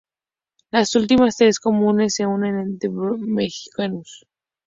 Las últimas tres comúnmente se unen en "T. b. mexicanus".